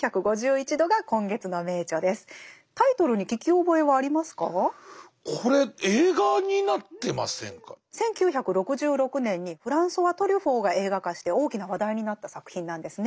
１９６６年にフランソワ・トリュフォーが映画化して大きな話題になった作品なんですね。